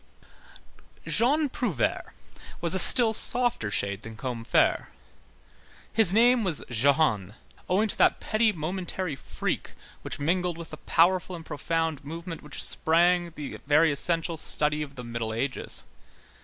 Jean Prouvaire was a still softer shade than Combeferre. His name was Jehan, owing to that petty momentary freak which mingled with the powerful and profound movement whence sprang the very essential study of the Middle Ages.